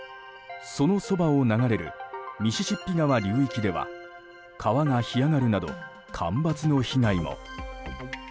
そのそばを流れるミシシッピ川流域では川が干上がるなど干ばつの被害も。